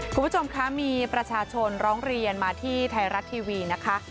คุณผู้ชมคะมีประชาชนร้องเรียนมาที่ไทยรัฐทีวีนะคะ